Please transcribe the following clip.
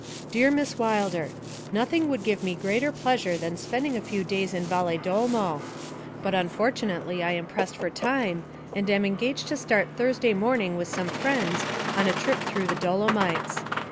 'DEAR MISS WILDER: Nothing would give me greater pleasure than spending a few days in Valedolmo, but unfortunately I am pressed for time, and am engaged to start Thursday morning with some friends on a trip through the Dolomites.